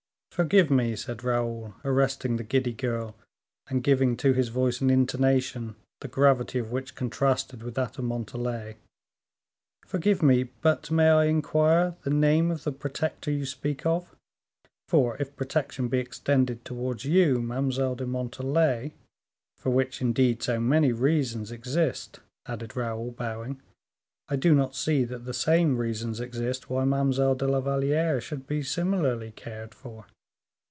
"Forgive me," said Raoul, arresting the giddy girl, and giving to his voice an intonation, the gravity of which contrasted with that of Montalais; "forgive me, but may I inquire the name of the protector you speak of; for if protection be extended towards you, Mademoiselle de Montalais, for which, indeed, so many reasons exist," added Raoul, bowing, "I do not see that the same reasons exist why Mademoiselle de la Valliere should be similarly cared for."